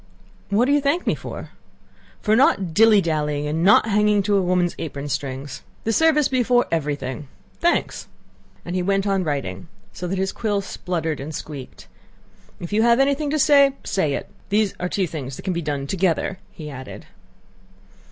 "What do you thank me for?" "For not dilly dallying and not hanging to a woman's apron strings. The Service before everything. Thanks, thanks!" And he went on writing, so that his quill spluttered and squeaked. "If you have anything to say, say it. These two things can be done together," he added.